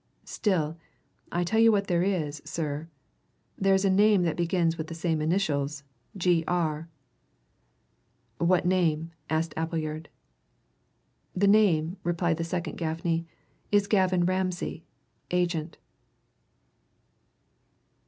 Still, I'll tell you what there is, sir there's a name that begins with the same initials G.R." "What name?" asked Appleyard. "The name," replied the second Gaffney, "is Gavin Ramsay Agent."